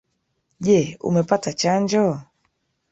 Je umepata chanjo?